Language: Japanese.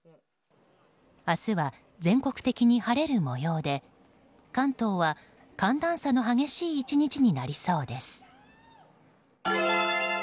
明日は全国的に晴れる模様で関東は、寒暖差の激しい１日になりそうです。